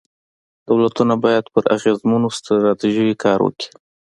دولتونه باید پر اغېزمنو ستراتیژیو کار وکړي.